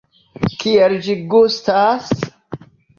Kiel ĝi gustas?